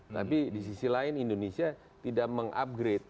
tapi di sisi lain indonesia tidak mengupgrade